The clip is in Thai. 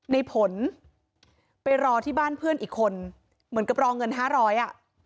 ในผลไปรอที่บ้านเพื่อนอีกคนเหมือนกับรอเงินห้าร้อยอ่ะ